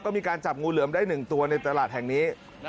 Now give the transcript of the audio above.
ก็มีการจับงูเหลือมได้๑ตัวในตลาดแห่งนี้